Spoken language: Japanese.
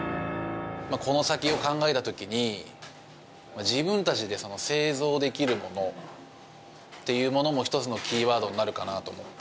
この先を考えたときに、自分たちで製造できるものというものも、一つのキーワードになるかなと思って。